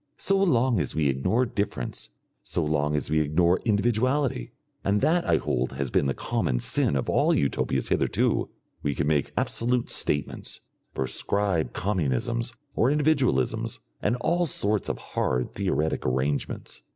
So long as we ignore difference, so long as we ignore individuality, and that I hold has been the common sin of all Utopias hitherto, we can make absolute statements, prescribe communisms or individualisms, and all sorts of hard theoretic arrangements.